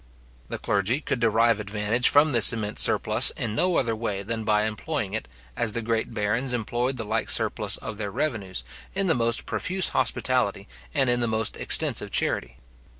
The clergy could derive advantage from this immense surplus in no other way than by employing it, as the great barons employed the like surplus of their revenues, in the most profuse hospitality, and in the most extensive charity.